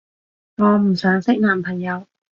我唔想識男朋友